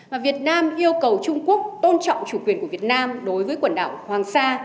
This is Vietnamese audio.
và việt nam yêu cầu trung quốc tôn trọng chủ quyền của việt nam đối với quần đảo hoàng sa